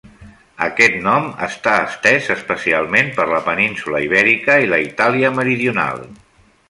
Aquest nom està estès especialment per la península Ibèrica i la Itàlia meridional.